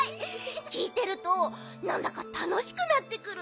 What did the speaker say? きいてるとなんだかたのしくなってくるね。